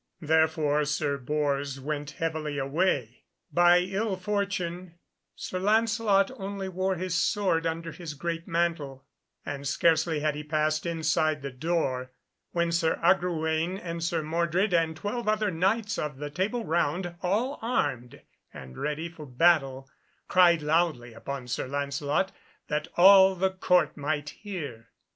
Therefore Sir Bors went heavily away. By ill fortune, Sir Lancelot only wore his sword under his great mantle, and scarcely had he passed inside the door when Sir Agrawaine and Sir Mordred, and twelve other Knights of the Table Round, all armed and ready for battle, cried loudly upon Sir Lancelot, that all the Court might hear.